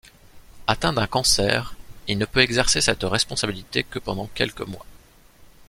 Atteint d’un cancer, il ne peut exercer cette responsabilité que pendant quelques mois.